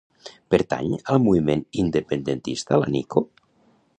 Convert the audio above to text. Pertany al moviment independentista la Nico?